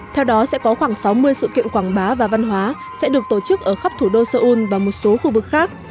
theo đó sẽ có khoảng sáu mươi sự kiện quảng bá và văn hóa sẽ được tổ chức ở khắp thủ đô seoul và một số khu vực khác